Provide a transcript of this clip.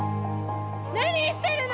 ・何してるの！